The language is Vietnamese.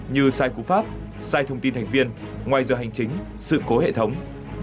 như sai cú pháp sai thông tin thành viên ngoài giờ hành chính sự cố hệ thống